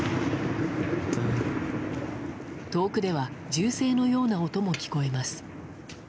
遠くでは銃声のような音も聞こえます。